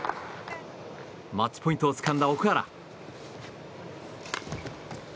マッチポイントをつかんだ奥原。